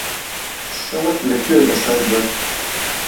شەوت لەکوێ بەسەر برد؟